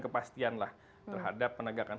kepastianlah terhadap penegakan